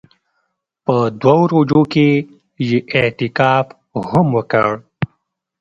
په دوو روژو کښې يې اعتکاف هم وکړ.